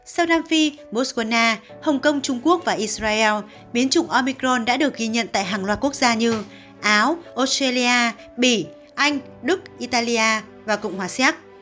sau nam phi botswana hồng kông trung quốc và israel biến chủng omicron đã được ghi nhận tại hàng loạt quốc gia như áo australia bỉ anh đức italia và cộng hòa xéc